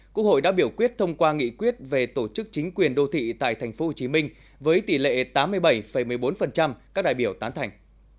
quốc hội đã biểu quyết thông qua nghị quyết về tổ chức chính quyền đô thị tại tp hcm với tỷ lệ tám mươi bảy một mươi bốn các đại biểu tán thành